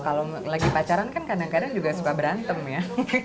kalau lagi pacaran kan kadang kadang juga suka berantem ya